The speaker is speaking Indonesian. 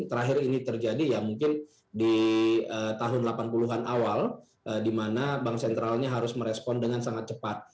terakhir ini terjadi ya mungkin di tahun delapan puluh an awal di mana bank sentralnya harus merespon dengan sangat cepat